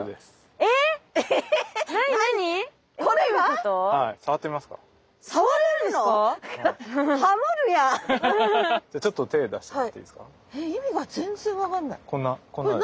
えっ意味が全然分かんない。